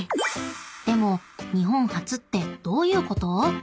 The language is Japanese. ［でも日本初ってどういうこと？］